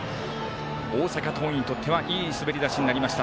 大阪桐蔭にとってはいい滑り出しになりました。